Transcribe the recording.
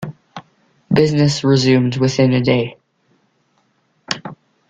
Business resumed within a day.